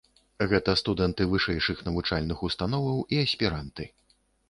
Гэта студэнты вышэйшых навучальных установаў і аспіранты.